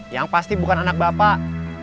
yang pasti bukan anak bapak